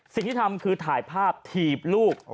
สิ่งที่ทำคือถ่ายภาพถีบลูก